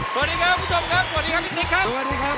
สวัสดีครับคุณผู้ชมครับสวัสดีครับอินนิคครับ